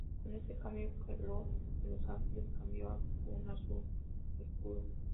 Con este cambio, el color de los Angels, cambio a un azul oscuro.